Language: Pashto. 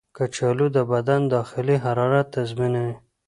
کچالو د بدن داخلي حرارت تنظیموي.